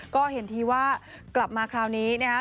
ก็เห็นทีว่ากลับมาคราวนี้นะครับ